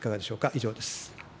以上です。